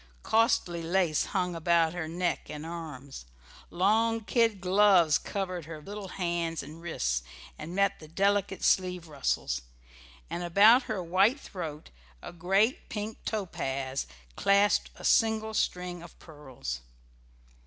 Costly lace clung about her neck and arms, long kid gloves covered her little hands and wrists and met the delicate sleeve ruffles, and about her white throat a great pink topaz clasped a single string of pearls.